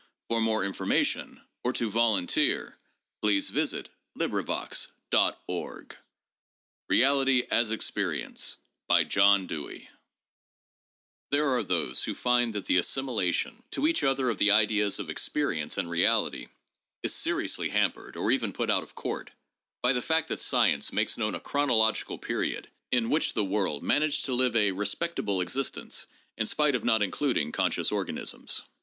org. Vol. III. No. 10. May 10, 1906. The Journal of Philosophy Psychology and Scientific Methods REALITY AS EXPERIENCE n^HERE are those who find that the assimilation to each other of * the ideas of experience and reality is seriously hampered or even put out of court by the fact that science makes known a chron ological period in which the world managed to lead a respectable existence in spite of not including conscious organisms.